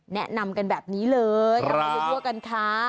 แนะนำกันแบบนี้เลยเอาไปดูด้วยกันค่ะ